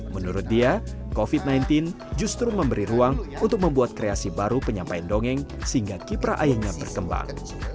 menurut dia covid sembilan belas justru memberi ruang untuk membuat kreasi baru penyampaian dongeng sehingga kipra ayahnya berkembang